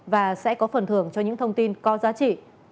và sẽ có phần thưởng cho những thông tin có giá trị